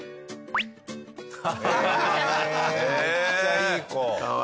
ええめっちゃいい子。